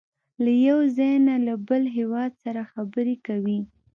له یو ځای نه له بل هېواد سره خبرې کوي.